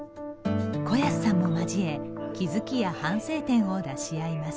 小安さんも交え気付きや反省点を出し合います。